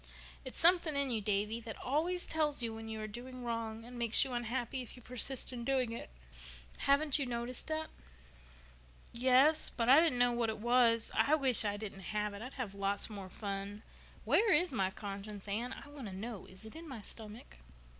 "It's something in you, Davy, that always tells you when you are doing wrong and makes you unhappy if you persist in doing it. Haven't you noticed that?" "Yes, but I didn't know what it was. I wish I didn't have it. I'd have lots more fun. Where is my conscience, Anne? I want to know. Is it in my stomach?"